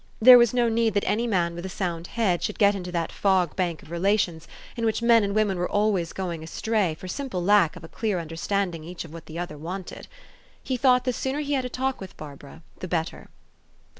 There was no need that any man with a sound head should get into that fog bank of relations in which men and women were always going astray for simple lack of 344 THE STORY OP AVIS. a clear understanding each of what the other wanted. He thought the sooner he had a talk with Barbara the better.